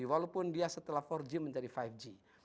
walaupun dia setelah empat g menjadi lima g